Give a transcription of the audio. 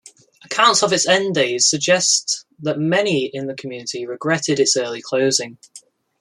Accounts of its end-days suggest that many in the community regretted its early closing.